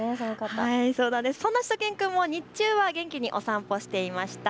そんなしゅと犬くんも日中は元気にお散歩していました。